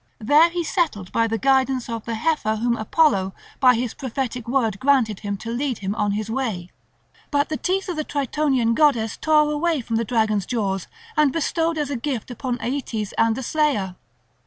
There he settled by the guidance of the heifer whom Apollo by his prophetic word granted him to lead him on his way. But the teeth the Tritonian goddess tore away from the dragon's jaws and bestowed as a gift upon Aeetes and the slayer.